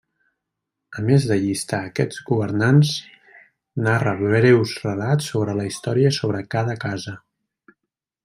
A més de llistar aquests governants, narra breus relats sobre la història sobre cada casa.